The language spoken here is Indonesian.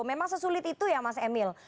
memang sesulit itu ya mas emil